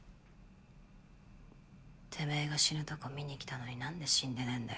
てめぇが死ぬとこ見に来たのになんで死んでねぇんだよ